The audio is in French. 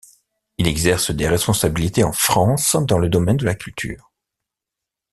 Il exerce des responsabilités en France dans le domaine de la culture.